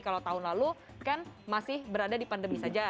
kalau tahun lalu kan masih berada di pandemi saja